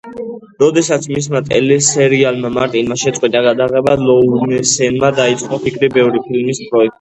როდესაც მისმა ტელესერიალმა მარტინმა შეწყვიტა გადაღება, ლოურენსმა დაიწყო ფიქრი ბევრი ფილმის პროექტებზე.